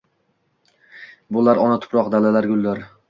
Bo’lar ona tuproq, dalalar, gullar.